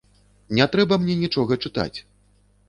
Не трэба мне нічога чытаць!